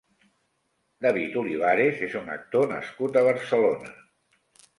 David Olivares és un actor nascut a Barcelona.